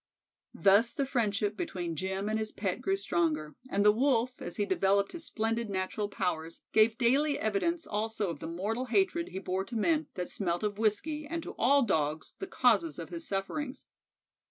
Thus the friendship between Jim and his pet grew stronger, and the Wolf, as he developed his splendid natural powers, gave daily evidence also of the mortal hatred he bore to men that smelt of whiskey and to all Dogs, the causes of his sufferings.